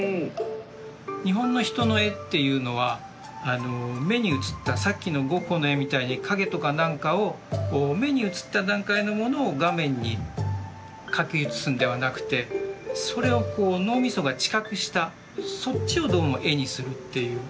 日本の人の絵っていうのは目に映ったさっきのゴッホの絵みたいに影とか何かを目に映った段階のものを画面に描き写すんではなくてそれをこう脳みそが知覚したそっちをどうも絵にするっていう。